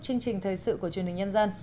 chương trình thời sự của truyền hình nhân dân